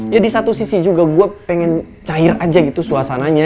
ya di satu sisi juga gue pengen cair aja gitu suasananya